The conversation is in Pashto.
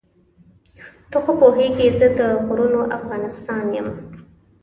ته خو پوهېږې زه د غرونو افغانستان یم.